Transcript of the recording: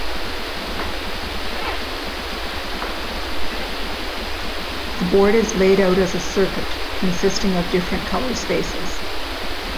The board is laid out as a circuit, consisting of different color spaces.